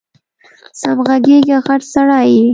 سم غږېږه غټ سړی یې